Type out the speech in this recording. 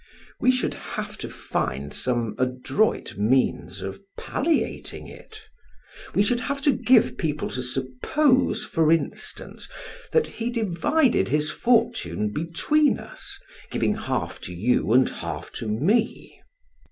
We should have to find some adroit means of palliating it. We should have to give people to suppose, for instance, that he divided his fortune between us, giving half to you and half to me."